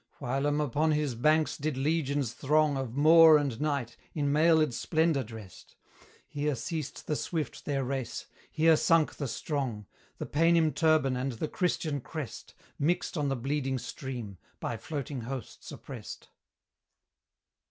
Whilome upon his banks did legions throng Of Moor and Knight, in mailed splendour drest; Here ceased the swift their race, here sunk the strong; The Paynim turban and the Christian crest Mixed on the bleeding stream, by floating hosts oppressed.